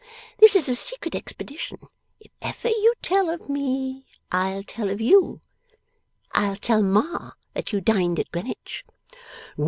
This is a secret expedition. If ever you tell of me, I'll tell of you. I'll tell Ma that you dined at Greenwich.